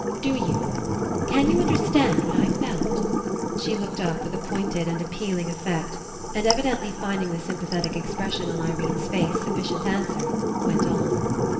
Do you, can you understand what I felt?" She looked up with a pointed and ap pealing effect, and, evidently finding the sympa thetic expression on Irene's face sufficient an swer, went on.